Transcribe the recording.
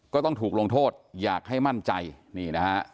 ก็ต้องถูกลงโทษอยากให้มั่นใจนี่นะฮะ